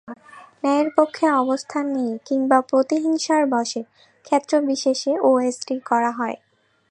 ন্যায়ের পক্ষে অবস্থান নিয়ে কিংবা প্রতিহিংসার বশে ক্ষেত্রবিশেষে ওএসডি করা হয়।